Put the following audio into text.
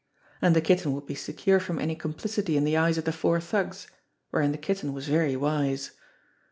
And the Kitten would be secure from any complicity in the eyes of the four thugs wherein the Kitten was very wise!